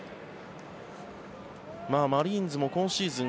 マリーンズも今シーズン